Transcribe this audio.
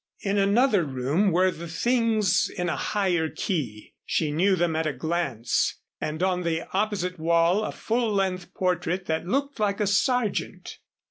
In another room were the things in a higher key she knew them at a glance; and on the opposite wall a full length portrait that looked like a Sargent.